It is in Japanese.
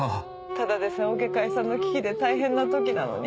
ただでさえオケ解散の危機で大変な時なのに。